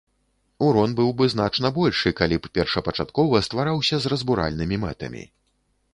Урон быў бы значна большы, калі б першапачаткова ствараўся з разбуральнымі мэтамі.